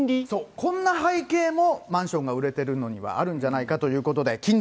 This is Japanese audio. こんな背景もマンションが売れてるのにはあるんじゃないかということで、金利。